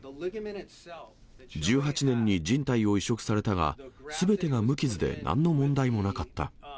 １８年にじん帯を移植されたが、すべてが無傷で、なんの問題もなかった。